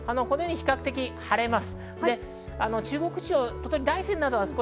比較的晴れます。